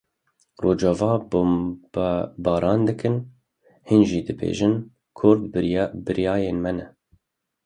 Rojava bombebaran dikin hîn jî dibêjin Kurd birayên me ne.